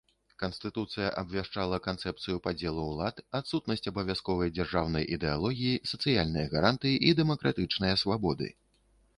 Канстытуцыя абвяшчала канцэпцыю падзелу ўлад, адсутнасць абавязковай дзяржаўнай ідэалогіі, сацыяльныя гарантыі і дэмакратычныя свабоды.